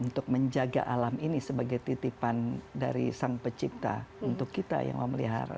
untuk menjaga alam ini sebagai titipan dari sang pencipta untuk kita yang memelihara